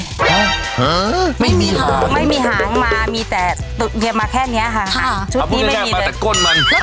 ฮะฮะไม่มีหางไม่มีหางมามีแต่มาแค่เนี้ยค่ะค่ะชุดนี้ไม่มีเอาพวกแก่มาแต่ก้นมัน